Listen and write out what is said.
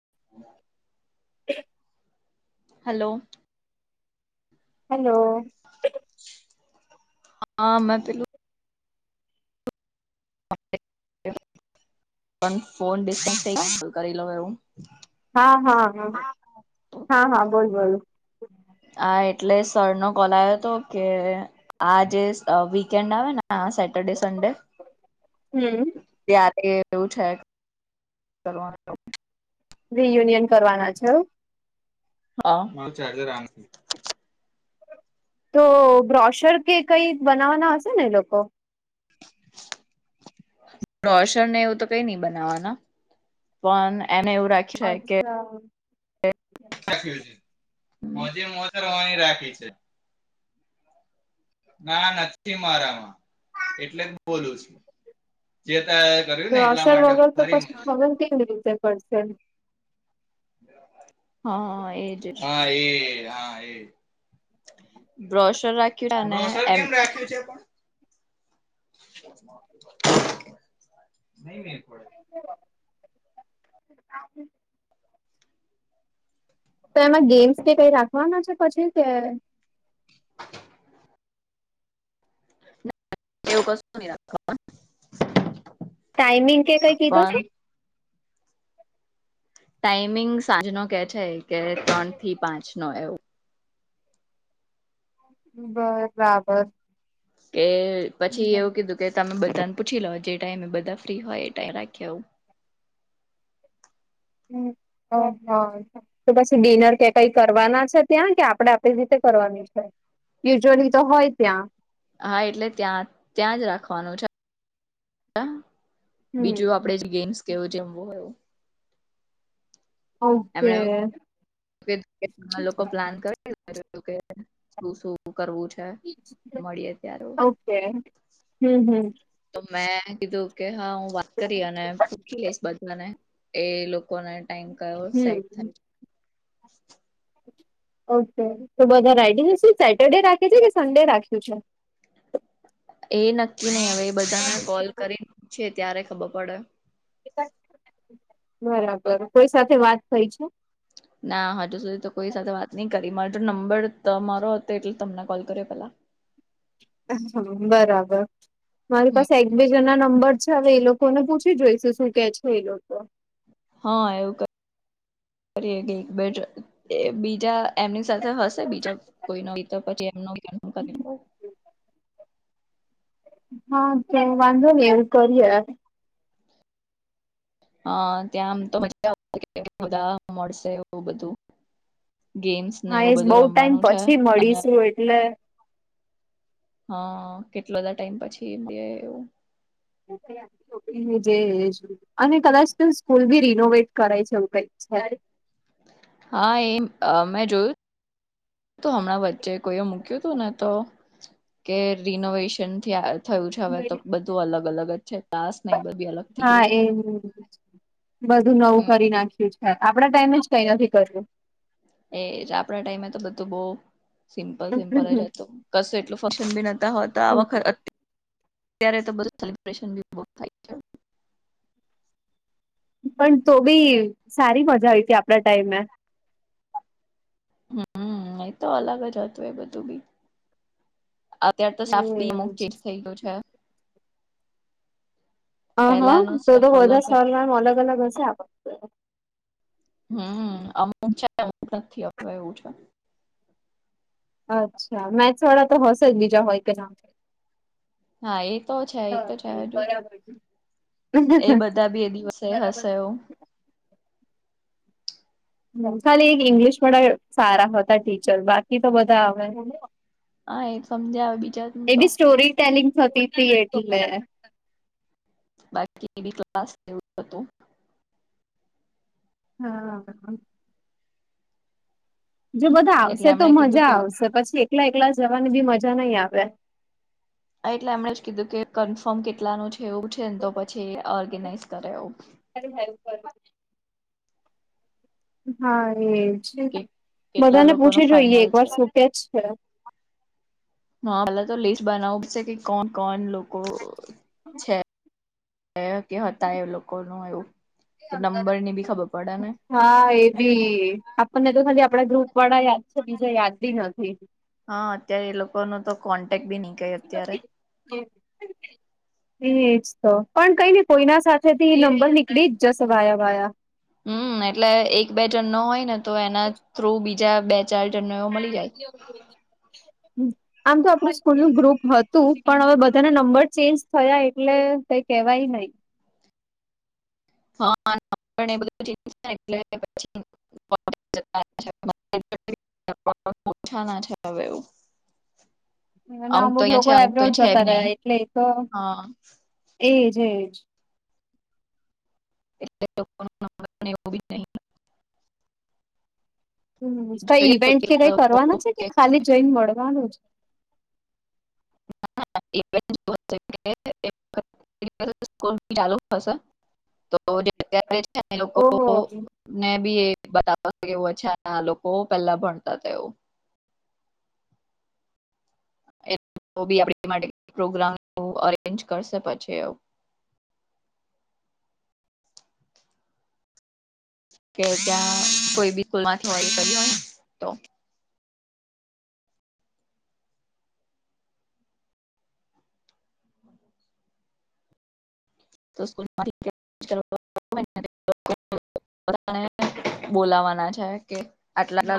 [inaudible] [inaudible] હાલો hello [inaudible] હા મે પેલુ [unintelligible] હા હા હા હા હા બોલ બોલ આ એટલે સર નો કોલ આવ્યો અતો કે આજે વીકેન્ડ આવે ને સટડે સંડે હમ ત્યારે એવું છે કરવાનું રિયુનિયન કરવાના છે એવું હા મારું ચાર્જર આમ તો બ્રોશર કે કઈ બનાવવાના હશે ને એ લોકો [inaudible] બ્રોશર એવું તો કઈ ની બનાવાના પણ એને એવું રાખી અચ્છા [unintelligible] ના નથી મારામાં એટલે બોલું છું જે તા રોશર વગર તો પછી ખબર કેવી રીતે પડશે હા એ જ હ એ [unintelligible] નહીં મેલ પડે [inaudible] તો એમાં ગેમ્સ કે કઈ રાખવાના છે પછી કે ના એવું કશુ નહીં રાખવાના ટાઈમિંગ કે કઈ કીધું છે ટાઈમિંગ સાંજ નો કેય છે કે ત્રણ થી પાંચ નો એવું બરાબર કે પછી એવું કીધું કે તમે બધાને પૂછી લો જે ટાઈમે બધા ફ્રી હોય એ ટાઈમે રાખીએ એવું હમ્મ હ હ તો પછી ડિનર કે કઈ કરવાના છે ત્યાં કે આપડે આપડી રીતે કરવાની છે. યુઝઅલી તો હોય ત્યાં હા એટલે ત્યાં ત્યાં જ રાખવાનું છે બીજું હમ આપડે જે ગેમ્સ કેવું જમવું હોય ઓકે ઓકે [inaudible] હમ પ્લાન કર [inaudible] શું કરવું છે? મળીએ ત્યારે ઓકે હમ્મ હમ્મ. તો મેં કીધું કે હા હું વાત કરી અને પૂછી લઈશ બ ન્ને એ લોકોને ટાઈમ કયો સેટ હમ થાય. ઓકે તો બધા રાઈડીને [unintelligible] શું સેટરડે રાખે છે કે સન્ડે રાખ્યું છે. એ નક્કી નઈ હવે એ બધાને કોલ કરીને પૂછે ત્યારે ખબર પડે. બરાબર કોઈ સાથે વાત થઈ છે. ના હજુ સુધી તો કોઈ સાથે વાત નઈ કરી માર જોડ તો નંબર તમારો હતો એટલે તમને કોલ કર્યો પેલા. બરાબર, મારી પાસે એક બે જનના નંબર છે હવે એ લોકોને પૂછી જોઈશું શું કે છે એ લોકો હ એવું કરીએ બેજા બીજા એમની સાથે હશે બીજો કોઈનો બીતો પછી એમનું કરીશું. હા તો વાંધો નઈ એવું કરીએ. હા ત્યાં આમ તો મજા આવતી હશે બધા મળશે એવું બધું ગેમ્સને હા એ એવું બહુ બધું ટાઈમ રમવાનું છે પછી અને મળીશું એટલે હઅ કેટલો બધા ટાઈમ પછી મળીએ જે [inaudible] અને કદાચ તો સ્કૂલ બી રિનોવેટ કરાય છે એવું કઈક છે. હા એમ મેં જોયું તો હમણાં વ ચ્ચે કોઈએ મૂક્યું તું ને તો કે રિનોવેશન થીયા થયું છે હવે તો બધ ધુ અલગ અલગ જ છે તાસ નહી બધી અલગ થઈ ગયું હા છે એ જ બધું નવું હમ કરી નાખ ઠીક છે આપડા ટાઈમે જ કઈ નથી કર્યુ. એજ આપડા ટાઈમ એતો બધું બોવ સિમ્પલ સિમ્પલ જ હતો કશું એટલું ફક્શન બી નતા હોતા આ વખત અત્ ત્યારે તો બધું સેલિબ્રેશન બી બહુ થાય ગ્યું. પણ તો બી સારી મજા આઈતી આપડા ટાઈમમાં હમ્મ હમ્મ એ તો અલગ જ હતું એ બધું બી આ અત્યારે તો સાફ બી અમુક હમ ચેન્જ થઈ ગ્યો છે. હા હા પેલાનો તો તો સ્ટાફ બધા અલગ હતો સરના અલગ અલગ હશે આપ હમ્મ અમુક છે અમુક નથી હવે એવું છે. અચ્છા મેથ્સ વાળા તો હશે જ બીજા હોય કે ના હોય. હા એ તો છે એ હા તો છે બે હજુ બરાબર છે. એ બધા બી એ દિવસે [inaudible] બરાબર હશે એવું ખાલી એક ઇંગ્લિશ વાડા સારા હતા ટીચર બાકી તો બધા હવે હા એ સમજાવે બીજાનું તો બી સ્ટોરી ટેલિંગ થતી તી એટલે બાકી ક્લાસ ને એવું હતું. હા. જો બધા એટલે આવશે તો એમણે કીધું મજા કે આવશે પછી એકલા એકલા જવાની બી મજા નહી, આવે. એટલે એમણે જ કીધું કે કન્ફર્મ કેટલાનું છે, એવું છેને તો પછી ઓર્ગેનાઈઝ કરે એવુ. એ હેલ્પ કર હા એ જ કે કેટલા બધાને પૂછી જોઈએ એક વાર શું કે છે. હ પેલા તો લિસ્ટ બનાવું છે, કે કોણ કોણ લોકો છે [inaudible] કે હતા એ લોકોનું એવું તો નંબરની બી ખબર પડે ને હા એ બી આપણને તો ખાલી આપડા ગ્રુપ વાળા યાદ છે બીજા યાદ બી નથી. હા અત્યારે એ લોકોનો તો કોન્ટેક બી નહી કઈ અત્યારે [inaudible] એજ તો પણ કઈ ને કોઈના સાથે થી નંબર નીકળી જ જશે વાયા વાયા હમ એટલે એક બે જણનો હોય, ને તો એના થ્રુ બીજા બે ચાર જણનો હમ્મ આમ તો આપણું સ્કૂલ નું ગ્રુપ હતુ, પણ હવે બધાના નંબર ચેન્જ થયા એટલે કઈ કેવાય નહી. [unintelligible] [inaudible] અને તો અમુક અહિયાં લોકો છે અમુક તો એબ્રોડ છે જતા બી નહી રહ્યા એટલે એતો, હા એજ એજ. [unintelligible] [inaudible] હમ કઈ જોઈએ તો ઈવેન્ટ કે કેટલા કાંઈ લોકો કરવાનું છે કે ખાલી જઈન મળવાનું જ [inaudible] [inaudible] તો ત્યારે છેને, એ લોકો ઓહ ને ભી [inaudible] બહુ પેલા ભણતા તેઓ. તો બી આપણે માટે પ્રોગ્રામ અરેન્જ કરશે પછી. કે ત્યાં કોઈ બી સ્કૂલમાં કરી હોય ને તો. [unintelligible] [inaudible] બોલાવાના છે કે આટલા આટલા.